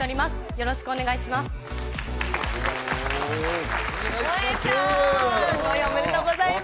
よろしくお願いします。